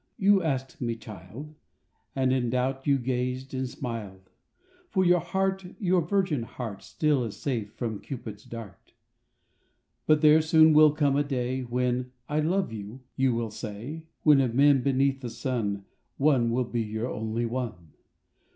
you asked me, child, And in doubt you gazed and smiled, For your heart, your virgin heart Still is safe from Cupid's dart. ... But there soon will come a day, When "I love you" you will say, When of men beneath the sun One will be your only one.